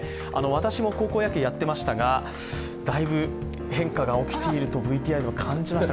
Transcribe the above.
私も高校野球やっていましたがだいぶ変化が起きているとＶＴＲでも感じました。